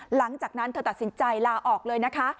หลังจากนั้นเธอตัดสินใจลาออกเลยนะคะ